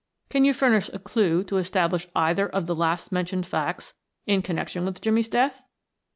Can you furnish a clew to establish either of the last mentioned facts in connection with Jimmie's death?"